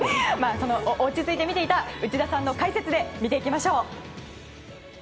その落ち着いて見ていた内田さんの解説で見ていきましょう。